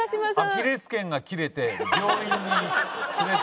アキレス腱が切れて病院に連れていかれた。